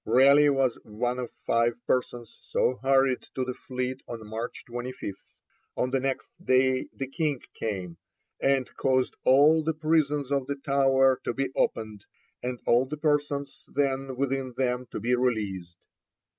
Raleigh was one of five persons so hurried to the Fleet on March 25: on the next day the King came, and 'caused all the prisons of the Tower to be opened, and all the persons then within them to be released.'